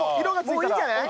もういいんじゃない？